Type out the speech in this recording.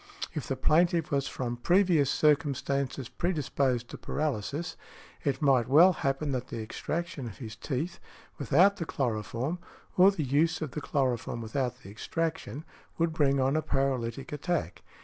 If the plaintiff was from previous circumstances predisposed to paralysis, it might well happen that the extraction of his teeth, |166| without the chloroform, or the use of the chloroform without the extraction, would bring on a paralytic attack.